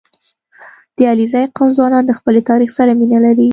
• د علیزي قوم ځوانان د خپل تاریخ سره مینه لري.